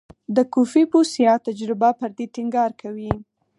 د کوفي بوسیا تجربه پر دې ټینګار کوي.